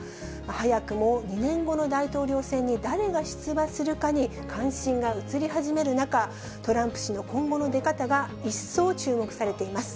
早くも２年後の大統領選に誰が出馬するかに関心が移り始める中、トランプ氏の今後の出方が一層注目されています。